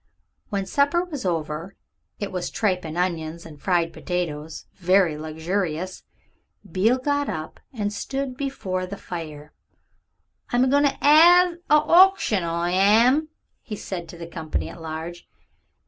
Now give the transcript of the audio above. When supper was over it was tripe and onions and fried potatoes, very luxurious Beale got up and stood before the fire. "I'm a goin' to 'ave a hauction, I am," he said to the company at large.